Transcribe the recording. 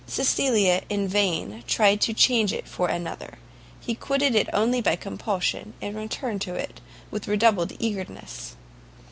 Cecilia in vain tried to change it for another; he quitted it only by compulsion, and returned to it with redoubled eagerness.